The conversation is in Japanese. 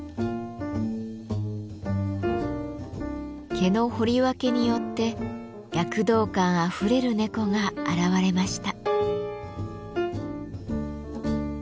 毛の彫り分けによって躍動感あふれる猫が現れました。